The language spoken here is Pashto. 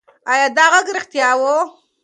ایا دا غږ رښتیا و؟